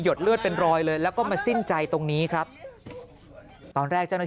เลือดเป็นรอยเลยแล้วก็มาสิ้นใจตรงนี้ครับตอนแรกเจ้าหน้าที่